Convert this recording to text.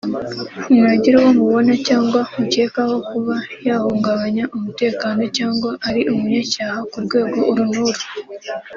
mwagira uwo mubona cyangwa mukekaho kuba yahungabanya umutekano cyangwa ari umunyacyaha ku rwego uru n’uru